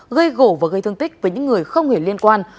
gây gổ và gây thương tích với những người không hề liên quan